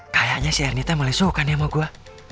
kayaknya si ernita malih suka nih sama gue